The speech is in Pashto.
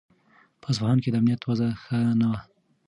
په اصفهان کې د امنیت وضع ښه نه وه.